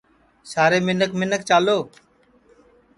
سارے منکھ منکھ چالو